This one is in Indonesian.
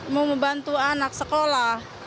mau membantu anak sekolah